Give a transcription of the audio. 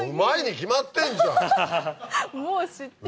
もう知ってる。